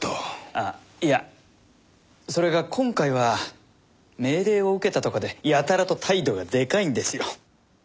あっいやそれが今回は命令を受けたとかでやたらと態度がでかいんですよ。